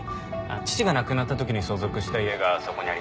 父が亡くなった時に相続した家がそこにありまして。